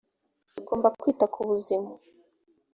tugomba kwita ku buzima.